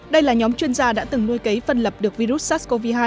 đây là nhóm chuyên gia đã từng nuôi cấy phân lập được virus sars cov hai